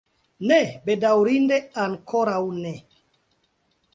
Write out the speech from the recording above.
Ne, bedaŭrinde ankoraŭ ne.